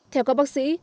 theo các bác sĩ